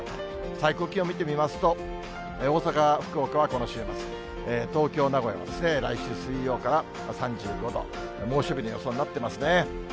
最高気温見てみますと、大阪、福岡はこの週末、東京、名古屋ですね、来週水曜から３５度、猛暑日の予想になってますね。